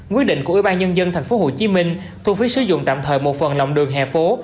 quyết định của ubnd tp hcm thu phí sử dụng tạm thời một phần lòng đường hè phố